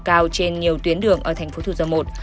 cao trên nhiều tuyến đường ở tp thủ dầu một